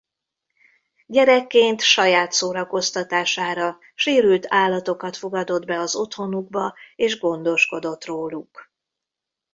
Gyerekként saját szórakoztatására sérült állatokat fogadott be az otthonukba és gondoskodott róluk.